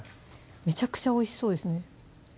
めちゃくちゃおいしそうですね